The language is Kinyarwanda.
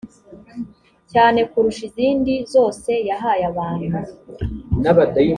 cyane kurusha izindi zose yahaye abantu